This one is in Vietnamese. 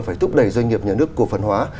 phải thúc đẩy doanh nghiệp nhà nước cổ phần hóa